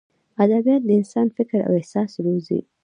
ادبیات د انسان فکر او احساس روزي.